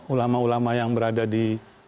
ulama ulama yang berada di